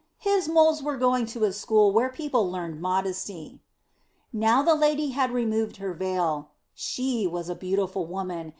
His moles were going to a school where people learned modesty! Now the lady had removed her veil. She was a beautiful woman!